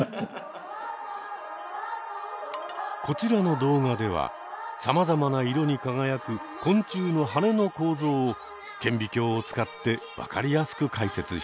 こちらの動画ではさまざまな色に輝く昆虫の羽の構造を顕微鏡を使って分かりやすく解説している。